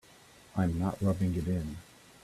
I'm not rubbing it in.